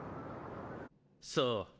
そう。